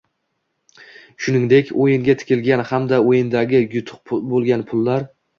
shuningdek o‘yinga tikilgan hamda o‘yindagi yutuq bo‘lgan pullar